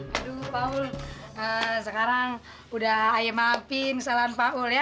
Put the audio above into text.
aduh paul sekarang udah ayem maafin kesalahan paul ya